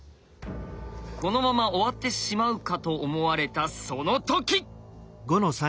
このまま終わってしまうかと思われたその時！